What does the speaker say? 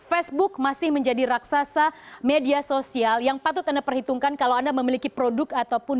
facebook masih menjadi raksasa media sosial yang patut anda perhitungkan kalau anda memiliki produk ataupun